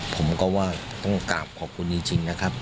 ผมก็ว่าต้องกราบขอบคุณจริงนะครับ